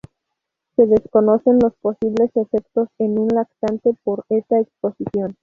Se desconocen los posibles efectos en un lactante por esta exposición.